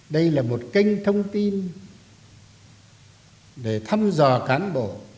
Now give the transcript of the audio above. đây là một kênh thông tin để thăm dò cán bộ